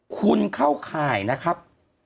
คุณเข้าข่ายนะครับ